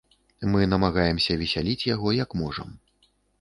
Мы намагаемся весяліць яго, як можам.